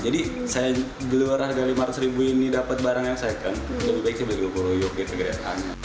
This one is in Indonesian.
jadi saya beli luar harga rp lima ratus ini dapat barang yang second lebih baik saya beli di kuku ruyuk grade a